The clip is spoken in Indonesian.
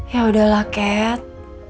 ya udahlah kat